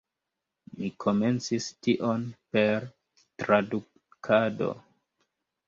Mi komencis tion per tradukado.